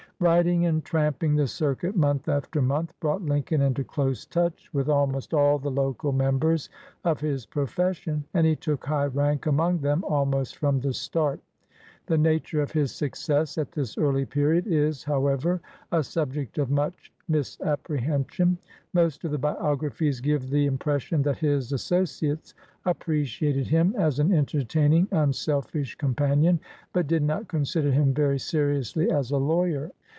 Riding and tramping the circuit month after month brought Lincoln into close touch with 105 LINCOLN THE LAWYER almost all the local members of his profession, and he took high rank among them almost from the start. The nature of his success at this early period is, however, a subject of much misappre hension. Most of the biographies give the impression that his associates appreciated him as an entertaining, unselfish companion, but did not consider him very seriously as a lawyer.